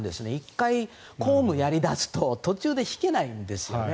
１回公務をやり出すと途中で引けないんですね。